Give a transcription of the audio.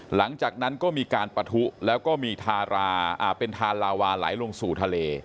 หลังจากนั้นก็มีการปะทุแล้วก็มีทาราเป็นทานลาวาไหลลงสู่ทะเล